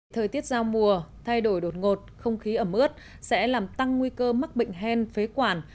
thời tiết giao mùa thay đổi đột ngột không khí ẩm ướt sẽ làm tăng nguy cơ mắc bệnh hen phế quản